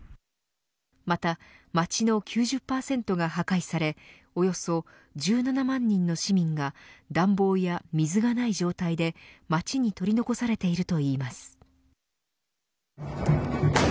また街の９０％が破壊されおよそ１７万人の市民が暖房や水がない状態で街に取り残されているといいます。